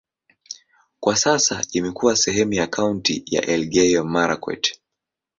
Kwa sasa imekuwa sehemu ya kaunti ya Elgeyo-Marakwet.